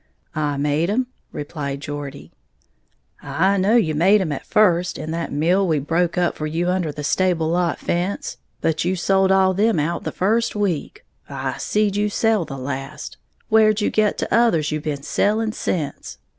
"I made 'em," replied Geordie. "I know you made 'em at first, in that mill we broke up for you under the stable lot fence. But you sold all them out the first week, I seed you sell the last. Where'd you get t'others you been selling sence?